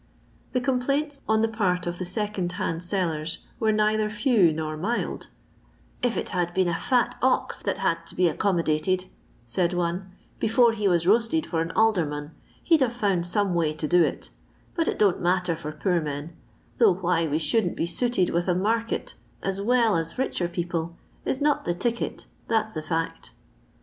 The complaints on the part of the second hand sellers were neither few nor mild :" If it had been a fat ox that had to be accommodated," said one, " before he was roasted for an alderman, they 'd hare found some way to do it But it don't matter for poor men ; though why we shouldn't be suited with a market as well as richer people is not the ticket, that *s the fiict."